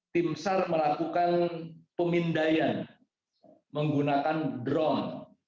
tim sar melakukan pemindaian menggunakan drone